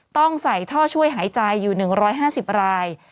ต้องใส่ท่อช่วยหายใจอยู่๑๕๐ราย